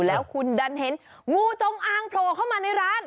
แล้วคุณดันเห็นงูจงอางโผล่เข้ามาในร้าน